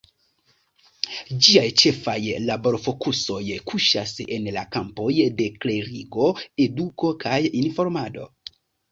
Ĝiaj ĉefaj laborfokusoj kuŝas en la kampoj de klerigo, eduko kaj informado.